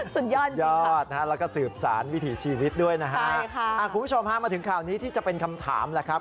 สุดยอดนะฮะแล้วก็สืบสารวิถีชีวิตด้วยนะฮะใช่ค่ะคุณผู้ชมฮะมาถึงข่าวนี้ที่จะเป็นคำถามแหละครับ